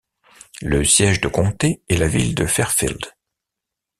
Le siège de comté est la ville de Fairfield.